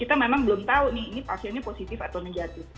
kita memang belum tahu nih ini pasiennya positif atau negatif